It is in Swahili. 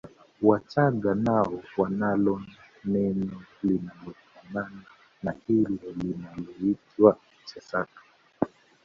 Wachaga nao wanalo neno linalofanana na hilo linaloitwa Chasaka